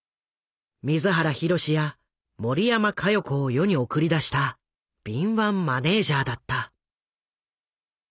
水原弘や森山加代子を世に送り出した敏腕マネージャーだった。